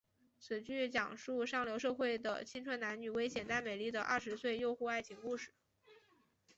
此剧讲述上流社会的青春男女危险但美丽的二十岁诱惑爱情故事。